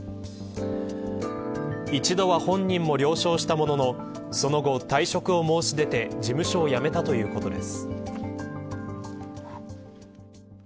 一度は本人も了承したもののその後、退職を申し出て事務所を辞めたということです。